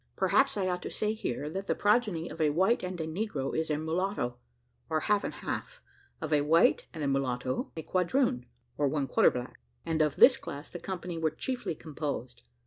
Perhaps I ought to say here, that the progeny of a white and a negro is a mulatto, or half and half of a white and mulatto, a quadroon, or one quarter black, and of this class the company were chiefly composed.